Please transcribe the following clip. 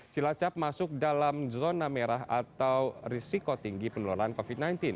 cilacap masuk dalam zona merah atau risiko tinggi penularan covid sembilan belas